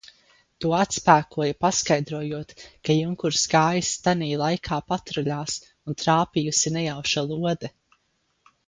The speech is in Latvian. To atspēkoja paskaidrojot, ka junkurs gājis tanī laikā patruļās un trāpījusi nejauša lode.